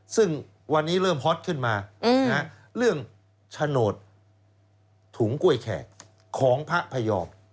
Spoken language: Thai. ซึ่งวันนี้เริ่มฮอตขึ้นมาเรื่องโฉนดถุงกล้วยแขกของพระพยอม